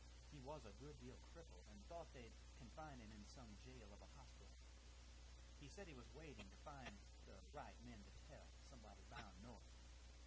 He was a good deal crippled, and thought they'd confine him in some jail of a hospital. He said he was waiting to find the right men to tell, somebody bound north.